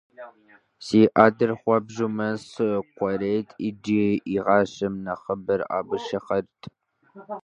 Си адэр хуабжьу мэз кӀуэрейт икӀи и гъащӀэм и нэхъыбэр абы щихьырт.